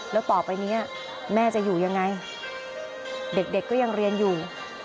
แล้วต่อไปนี้แม่จะอยู่ยังไงเด็กก็ยังเรียนอยู่